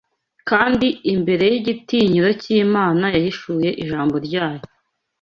kandi imbere y’igitinyiro cy’Imana yahishuye ijambo ryayo